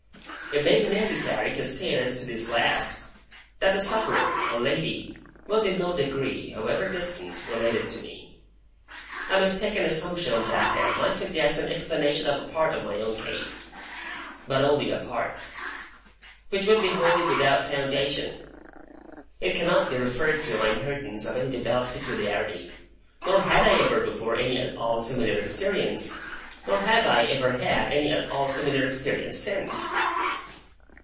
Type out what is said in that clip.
It may be necessary to state as to this last, that the sufferer (a lady) was in no degree, however distant, related to me. A mistaken assumption on that head might suggest an explanation of a part of my own case,—but only a part,—which would be wholly without foundation. It cannot be referred to my inheritance of any developed peculiarity, nor had I ever before any at all similar experience, nor have I ever had any at all similar experience since.